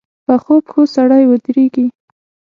پخو پښو سړی ودرېږي